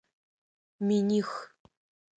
Миних.